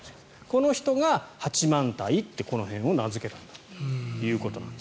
この人が八幡平って、この辺を名付けたということなんです。